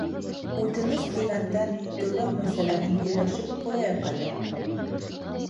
Үтенес тигәндән, түләү мәсьәләһен һөйләшеп ҡуяйыҡ әле.